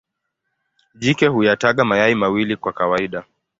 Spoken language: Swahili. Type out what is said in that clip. Jike huyataga mayai mawili kwa kawaida.